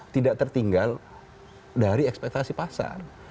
tidak tertinggal dari ekspektasi pasar